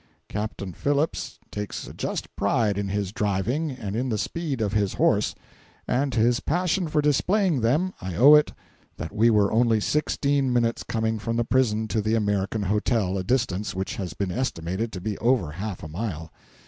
Captain Phillips takes a just pride in his driving and in the speed of his horse, and to his passion for displaying them I owe it that we were only sixteen minutes coming from the prison to the American Hotel—a distance which has been estimated to be over half a mile.